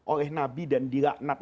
oleh nabi dan dilaknat